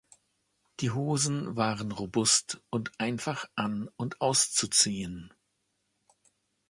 Die Hosen waren robust und einfach an- und auszuziehen.